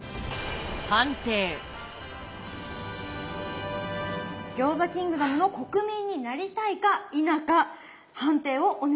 餃子キングダムの国民になりたいか否か判定をお願いいたします。